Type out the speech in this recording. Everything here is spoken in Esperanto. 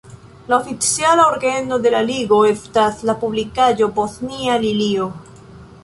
Oficiala organo de la Ligo estas la publikaĵo "Bosnia Lilio".